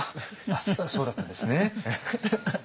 そそうだったんですね。